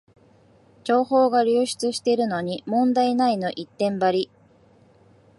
情報が流出してるのに問題ないの一点張り